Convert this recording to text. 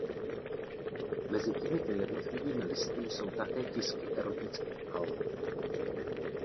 Mezi těmito jednotlivými listy jsou také tisky erotických alb.